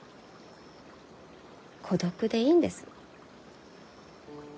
孤独でいいんです。